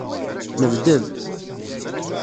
Nebded.